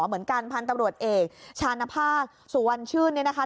เหมือนกันพตเอกชานภาสุวรรณชื่นเนี่ยนะคะ